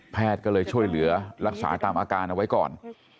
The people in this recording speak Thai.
ก็เลยช่วยเหลือรักษาตามอาการเอาไว้ก่อน